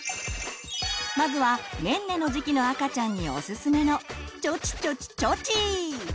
まずはねんねの時期の赤ちゃんにおすすめの「ちょちちょちちょち